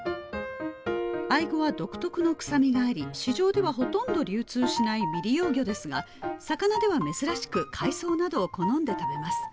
アイゴは独特の臭みがあり市場ではほとんど流通しない未利用魚ですが魚では珍しく海藻などを好んで食べます